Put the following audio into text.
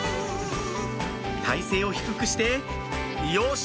体勢を低くしてよし！